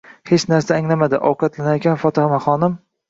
Hech narsa anglamadi, ovkatlanarkan Fotimaxonim: